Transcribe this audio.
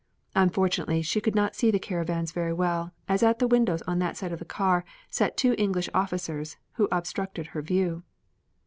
Unfortunately she could not see the caravans very well as at the windows on that side of the car sat two English officers, who obstructed her view.